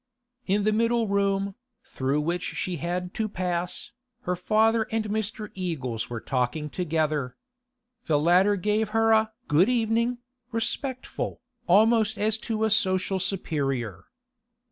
In the middle room, through which she had to pass, her father and Mr. Eagles were talking together. The latter gave her a 'good evening,' respectful, almost as to a social superior.